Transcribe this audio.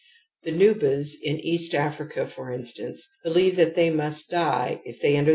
The Nubas in East Africa, for instance, believe that they must die if they enter '* Fraser» T0600.